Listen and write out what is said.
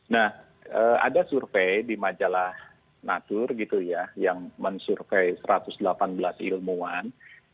nah ada survei di majalah natur gitu ya yang men survey satu ratus delapan belas ilmuwan